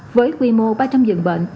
với quy mô ba trăm linh dựng bệnh